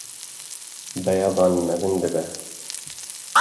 Beyaban mezin dibe.